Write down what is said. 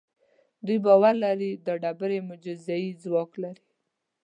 دوی باور لري دا ډبرې معجزه اي ځواک لري.